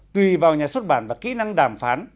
tùy vào nhà xuất bản và kỹ năng đàm phán